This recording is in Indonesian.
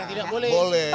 yang tidak boleh